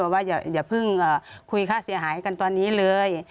ว่าอย่าเพิ่งคุยค่าเสียหายกันตอนนี้เลย